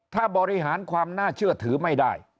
ถ้าบริหารความน่าเชื่อถือไม่ได้